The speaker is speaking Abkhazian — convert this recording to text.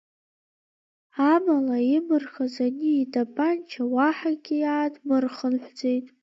Амала, имырхыз ани итапанча, уаҳагьы иаадмырхынҳәӡеит.